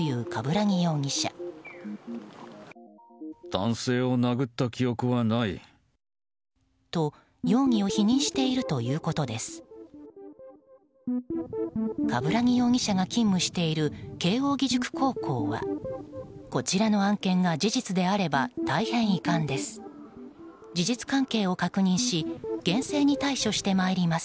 鏑木容疑者が勤務している慶應義塾高校はこちらの案件が事実であれば大変遺憾です